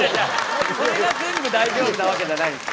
それが全部大丈夫なわけじゃないですよ。